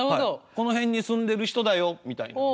「この辺に住んでる人だよ」みたいなね。